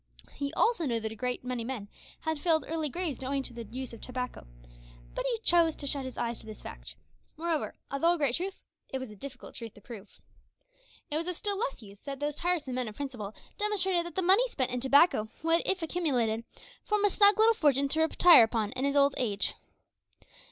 He also knew that a great many men had filled early graves owing to the use of tobacco, but he chose to shut his eyes to this fact moreover, although a great truth, it was a difficult truth to prove. It was of still less use that those tiresome men of principle demonstrated that the money spent in tobacco would, if accumulated, form a snug little fortune to retire upon in his old age.